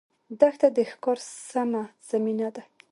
دښته د ښکار سمه زمینه ده.